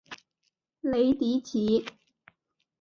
雷迪奇。